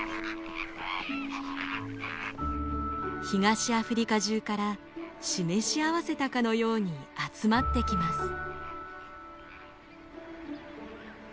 東アフリカ中から示し合わせたかのように集まってきます。